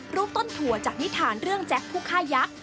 รูปต้นถั่วจากนิษฐานเรื่องแจ็คผู้ฆ่ายักษ์